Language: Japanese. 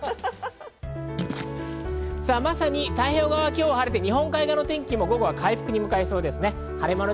まさに太平洋側、今日は晴れて日本海側の天気も午後は回復に向かいそうです。